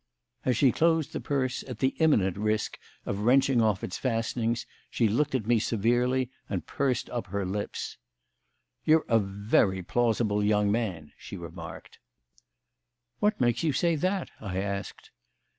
As she closed the purse at the imminent risk of wrenching off its fastenings she looked at me severely and pursed up her lips. "You're a very plausible young man," she remarked. "What makes you say that?" I asked.